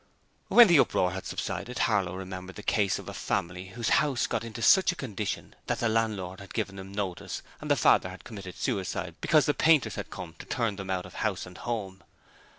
When the uproar had subsided Harlow remembered the case of a family whose house got into such a condition that the landlord had given them notice and the father had committed suicide because the painters had come to turn 'em out of house and home.